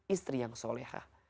istri yang solehah